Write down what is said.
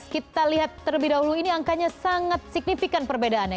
kita lihat terlebih dahulu ini angkanya sangat signifikan perbedaannya